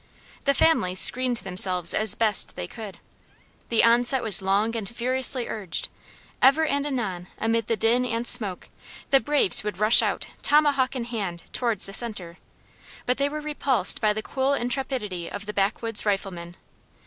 The families screened themselves as best they could. The onset was long and fiercely urged; ever and anon, amid the din and smoke, the braves would rush out, tomahawk in hand, towards the center; but they were repulsed by the cool intrepidity of the backwoods riflemen.